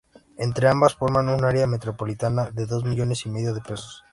Entre ambas forman un área metropolitana de dos millones y medio de personas.